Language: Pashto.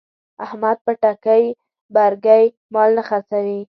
احمد په ټګۍ برگۍ مال نه خرڅوي.